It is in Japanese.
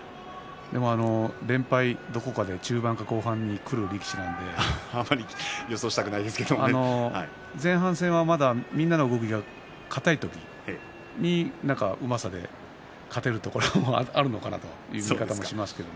連敗、中盤からどこかでくる力士なのであまり予想はしたくないですけれど前半戦はみんなの動きが硬い時にうまさで勝てるところがあるのかなという感じがしますけれど。